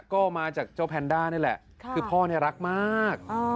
ก็มาจากเจ้าแพนด้านี่แหละคือพ่อเนี่ยรักมาก